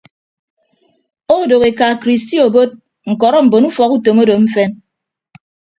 Odooho eka kristi obot ñkọrọ mbon ufọkutom odo mfen.